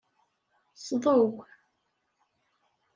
Sḍew.